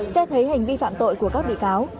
xét thấy hành vi phạm tội của các bị cáo